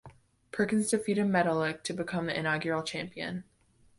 Perkins defeated Metalik to become the inaugural champion.